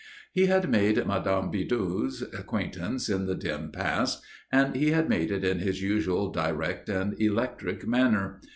He had made Madame Bidoux's acquaintance in the dim past; and he had made it in his usual direct and electric manner.